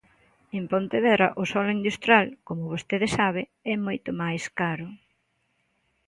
En Pontevedra o solo industrial, como vostede sabe, é moito máis caro.